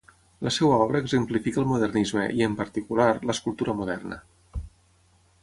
La seva obra exemplifica el modernisme i, en particular, l'escultura moderna.